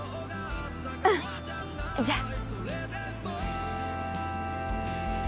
うんじゃあ。